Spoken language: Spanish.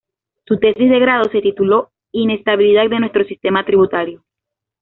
Su tesis de grado se tituló "Inestabilidad de Nuestro Sistema Tributario".